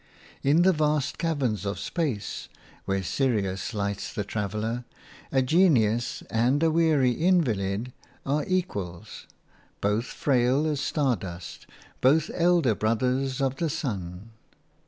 In the vast caverns of space, where Sirius lights the traveller, a genius and a weary invalid are equals – both frail as star dust, both elder brothers of the sun.